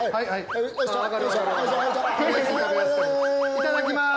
いただきます。